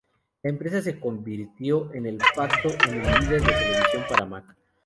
La empresa se convirtió de facto en el líder en televisión para Mac.